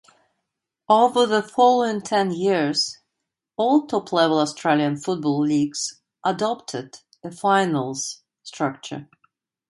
Over the following ten years, all top-level Australian football leagues adopted a finals structure.